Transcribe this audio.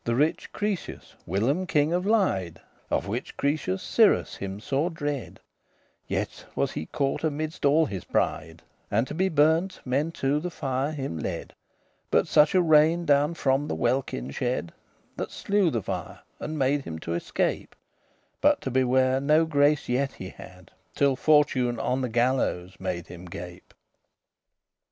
The riche CROESUS, <26> whilom king of Lyde, — Of which Croesus Cyrus him sore drad,* — *dreaded Yet was he caught amiddes all his pride, And to be burnt men to the fire him lad; But such a rain down *from the welkin shad,* *poured from the sky* That slew the fire, and made him to escape: But to beware no grace yet he had, Till fortune on the gallows made him gape.